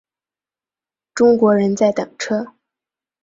中国人在等车